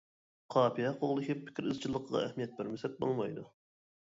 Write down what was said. قاپىيە قوغلىشىپ پىكىر ئىزچىللىقىغا ئەھمىيەت بەرمىسەك بولمايدۇ.